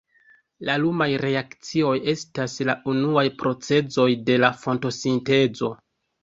La lumaj reakcioj estas la unuaj procezoj de la fotosintezo.